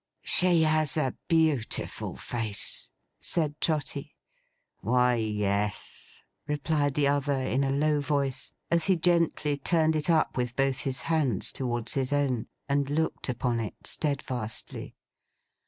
'She has a beautiful face,' said Trotty. 'Why yes!' replied the other in a low voice, as he gently turned it up with both his hands towards his own, and looked upon it steadfastly.